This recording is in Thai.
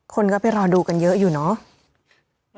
คนก็ไปรอดูกันเยอะอยู่เนอะ